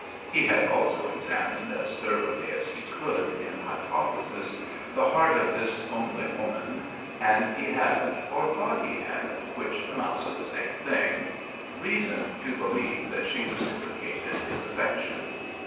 He had also examined as thoroughly as he could in hypothesis the heart of this "only woman," and he had or thought he had, which amounts to the same thing reason to believe that she reciprocated his affection.